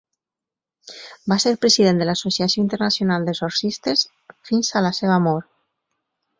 Va ser president de l'Associació Internacional d'Exorcistes fins a la seva mort.